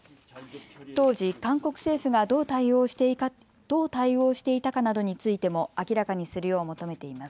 当時、韓国政府がどう対応していたかなどについても明らかにするよう求めています。